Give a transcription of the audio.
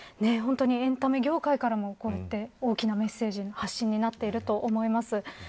本当に、エンタメ業界からもこういった大きなメッセージの発信になっていると思います。